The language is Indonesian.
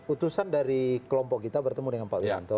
utusan dari kelompok kita bertemu dengan pak wiranto